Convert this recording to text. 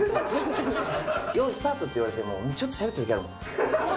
よーい、スタートって言われても、ちょっとしゃべってるときあるもん。